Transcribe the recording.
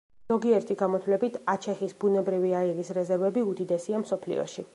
ზოგიერთი გამოთვლებით, აჩეჰის ბუნებრივი აირის რეზერვები უდიდესია მსოფლიოში.